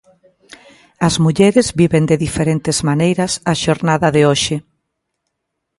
As mulleres viven de diferentes maneiras a xornada de hoxe.